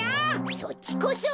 そっちこそ！